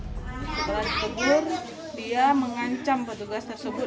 sebelah di tegur dia mengancam petugas tersebut